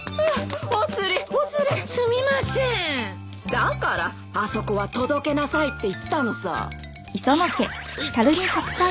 だからあそこは届けなさいって言ったのさ。